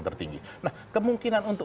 tertinggi nah kemungkinan untuk